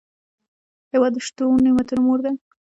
هېواد د شتو نعمتونو مور ده.